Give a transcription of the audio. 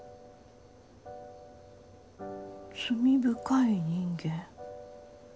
「罪深い人間」。